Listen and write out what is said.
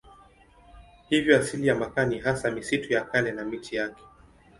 Hivyo asili ya makaa ni hasa misitu ya kale na miti yake.